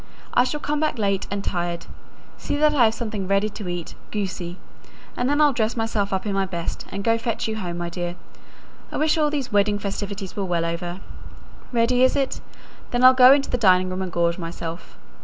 I shall come back late and tired. See that I have something ready to eat, goosey, and then I'll dress myself up in my best, and go and fetch you home, my dear. I wish all these wedding festivities were well over. Ready, is it? Then I'll go into the dining room and gorge myself.